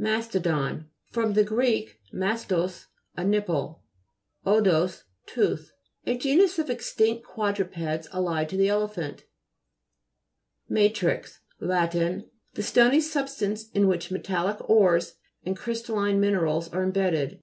MA'STODON fr. gr. mastos, a nipple, odous, tooth. A genus of extinct quadrupeds allied to the elephant. WA'TRTX Lat. The stony substance in which metallic ores and crystal line minerals are imbedded.